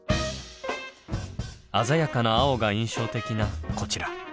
鮮やかな青が印象的なこちら。